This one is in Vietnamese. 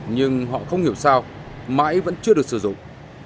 nhưng họ không hiểu sao mãi vẫn chưa được sử dụng